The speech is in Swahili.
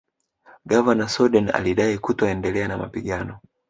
Gavana Soden alidai kutoendelea na mapigano